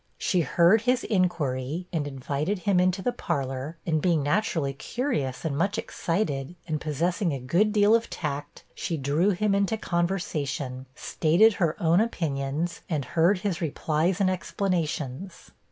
She heard his inquiry, and invited him into the parlor; and being naturally curious, and much excited, and possessing a good deal of tact, she drew him into conversation, stated her own opinions, and heard his replies and explanations.